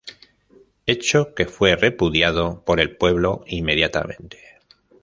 Hecho que fue repudiado por el pueblo inmediatamente.